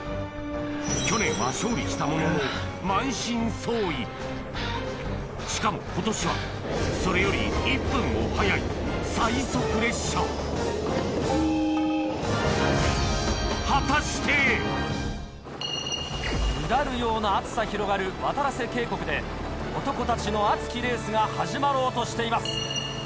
去年は勝利したものの満身創痍しかも今年は果たして⁉うだるような暑さ広がるわたらせ渓谷で男たちの熱きレースが始まろうとしています。